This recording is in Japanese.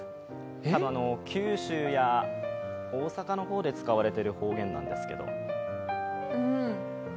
九州や大阪の方で使われている方言なんですけど。